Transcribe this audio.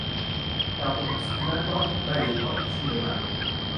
তখন স্টিমার পথ বা রেলপথ ছিলনা।